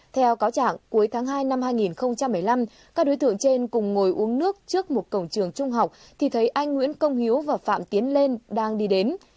theo cáo trạng cuối tháng hai năm hai nghìn một mươi năm các đối tượng trên cùng ngồi uống nước trước một cổng trường trung học thì thấy anh nguyễn công hiếu và phạm tiến lên đang đi đến